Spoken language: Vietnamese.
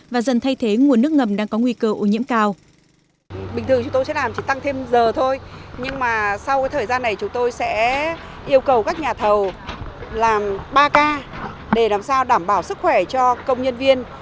trong thời gian này chúng tôi sẽ yêu cầu các nhà thầu làm ba k để làm sao đảm bảo sức khỏe cho công nhân viên